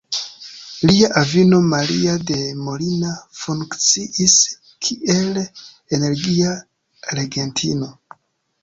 Lia avino Maria de Molina funkciis kiel energia regentino.